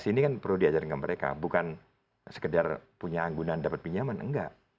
ini kan perlu diajarkan ke mereka bukan sekedar punya anggunan dapat pinjaman enggak